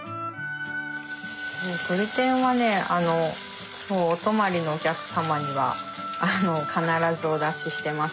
とり天はねお泊まりのお客様には必ずお出ししてますね